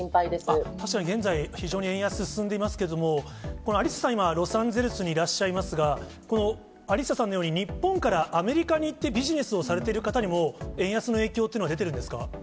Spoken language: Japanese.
確かに現在、非常に円安進んでいますけれども、アリッサさん、今ロサンゼルスにいらっしゃいますが、このアリッサさんのように、日本からアメリカに行ってビジネスをされている方にも、円安の影響っていうのは出てるんですか。